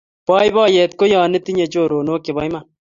boiboiet ko ya itinye choronok chebo iman